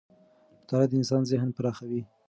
مطالعه د انسان ذهن پراخوي